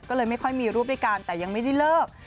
ก็เลยไม่ค่อยมีรูปด้วยกันแต่ยังไม่ได้เลิก